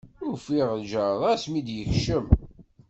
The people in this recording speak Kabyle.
Ufiɣ lǧerra-s mi d-yekcem.